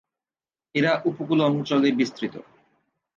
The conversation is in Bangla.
এরা উপকূল অঞ্চলে বিস্তৃত।